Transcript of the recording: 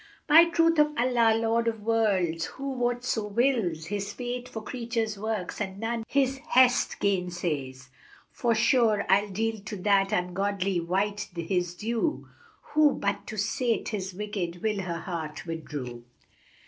By truth of Allah, Lord of Worlds who, whatso wills * His Fate, for creatures works and none His hest gainsays, Forsure I'll deal to that ungodly wight his due * Who but to sate his wicked will her heart withdrew!"